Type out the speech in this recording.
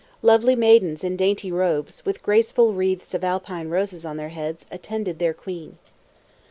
Lovely maidens in dainty robes, with graceful wreaths of Alpine roses on their heads, attended their queen.